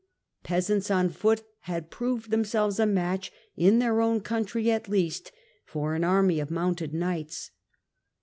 Peasants on foot had proved them selves a match, in their own country at least, for an army of mounted knights.